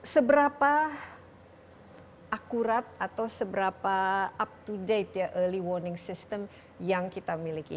seberapa akurat atau seberapa up to date ya early warning system yang kita miliki